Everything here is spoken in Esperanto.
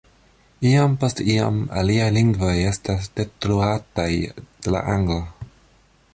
Iom post iom aliaj lingvoj estas detruataj de la angla.